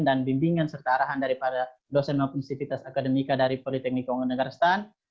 dan bimbingan serta arahan dari dosen maupun aktivitas akademika dari politeknika uangga negara stan